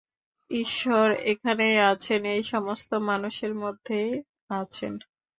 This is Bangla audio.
ঈশ্বর এখানেই আছেন, এই সমস্ত মানুষের মধ্যেই আছেন।